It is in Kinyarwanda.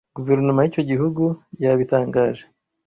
Guverinoma y’icyo gihugu yabitangaje